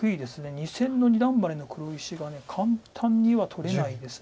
２線の二段バネの黒石が簡単には取れないです。